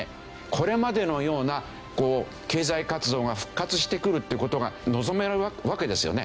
これまでのような経済活動が復活してくるっていう事が望めるわけですよね。